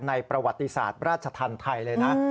ประวัติศาสตร์ราชธรรมไทยเลยนะ